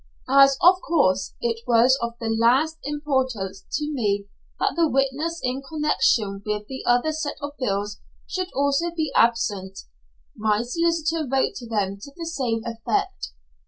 As, of course, it was of the last importance to me that the witnesses in connection with the other set of bills should also be absent, my solicitor wrote to them to the same effect.